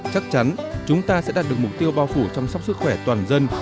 chắc chắn chúng ta sẽ đạt được mục tiêu bao phủ chăm sóc sức khỏe toàn dân